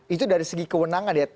itu dari segi kewenangan ya